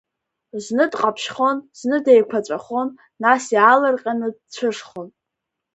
Зны дҟаԥшьхон, зны деиқәаҵәахон, нас иаалырҟьаны дцәышхон.